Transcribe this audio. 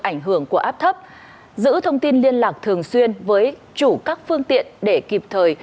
ảnh hưởng của áp thấp giữ thông tin liên lạc thường xuyên với chủ các phương tiện để kịp thời